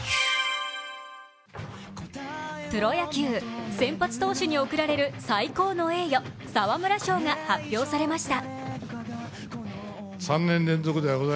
プロ野球、先発投手に贈られる最高の栄誉、沢村賞が発表されました。